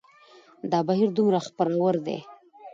او دا بهير دومره خپور وور دى